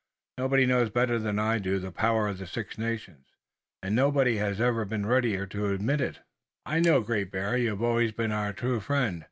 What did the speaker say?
"Nobody knows better than I do the power of the Six Nations, and nobody has ever been readier to admit it." "I know, Great Bear. You have always been our true friend.